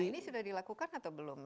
ini sudah dilakukan atau belum